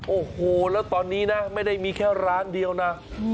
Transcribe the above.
โอ้โหแล้วตอนนี้นะไม่ได้มีแค่ร้านเดียวนะ